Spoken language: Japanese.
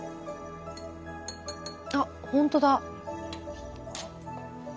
あっほんとだ。